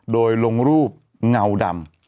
โดยลงรูปเงาดำ